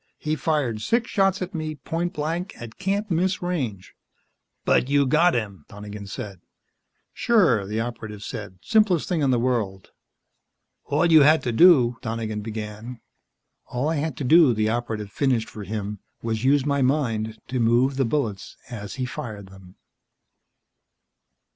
He fired six shots at me, point blank at can't miss range." "But you got him," Donegan said. "Sure," the Operative said. "Simplest thing in the world." "All you had to do " Donegan began. "All I had to do," the Operative finished for him, "was use my mind to move the bullets as he fired them."